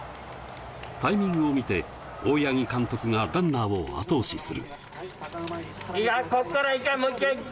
タイミングを見て大八木監督がランナーを後押しする。